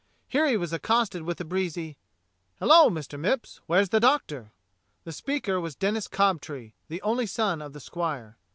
Here he was accosted with a breezy, "Hello, Mr. Mipps, where's the Doctor?" The speaker was Denis Cobtree the only son of the squire.